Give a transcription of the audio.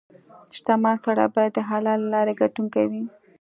• شتمن سړی باید د حلالې لارې ګټونکې وي.